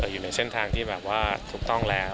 อยู่ในเส้นทางที่แบบว่าถูกต้องแล้ว